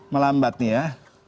melambat nih ya